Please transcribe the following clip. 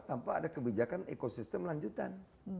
tanpa ada kebijakan ekosistem lanjutan